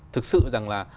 thực sự rằng là